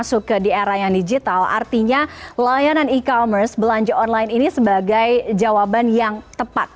masuk ke di era yang digital artinya layanan e commerce belanja online ini sebagai jawaban yang tepat